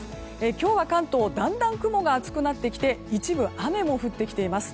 今日は関東、だんだん雲が厚くなってきて一部、雨も降ってきています。